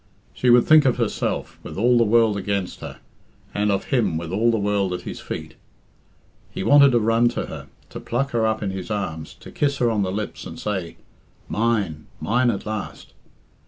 She would think of herself, with all the world against her, and of him with all the world at his feet. He wanted to run to her, to pluck her up in his arms, to kiss her on the lips, and say, "Mine, mine at last!"